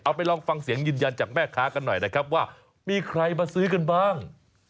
ไปลองฟังเสียงยืนยันจากแม่ค้ากันหน่อยนะครับว่ามีใครมาซื้อกันบ้าง